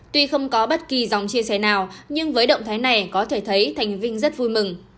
tuy không có bất kỳ dòng chia sẻ nào nhưng với động thái này có thể thấy thành vinh rất vui mừng